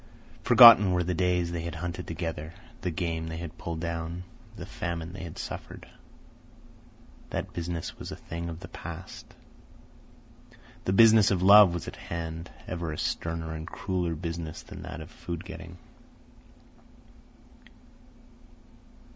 Forgotten were the days they had hunted together, the game they had pulled down, the famine they had suffered. That business was a thing of the past. The business of love was at hand—ever a sterner and crueller business than that of food getting.